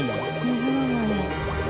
水なのに。